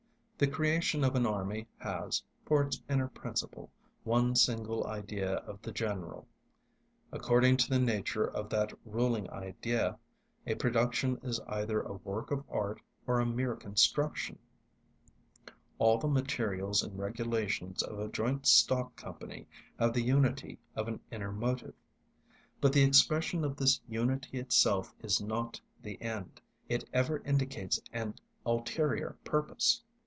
The creation of an army has, for its inner principle, one single idea of the General. According to the nature of that ruling idea, a production is either a work of art or a mere construction. All the materials and regulations of a joint stock company have the unity of an inner motive. But the expression of this unity itself is not the end; it ever indicates an ulterior purpose.